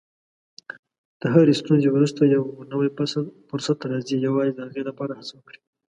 د هرې ستونزې وروسته یو نوی فرصت راځي، یوازې د هغې لپاره هڅه وکړئ.